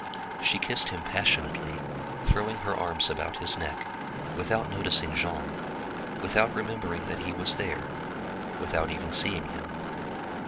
She kissed him passionately, throwing her arms about his neck, without noticing Jean, without remembering that he was there, without even seeing him.